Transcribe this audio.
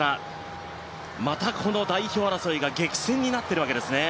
また代表争いが激戦になっているわけですね。